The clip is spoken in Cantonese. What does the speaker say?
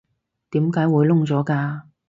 點解會燶咗㗎？